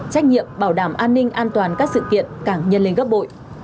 trách nhiệm bảo đảm an ninh an toàn các sự kiện càng nhân lên gấp bội